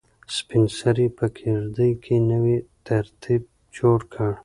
سپین سرې په کيږدۍ کې نوی ترتیب جوړ کړ.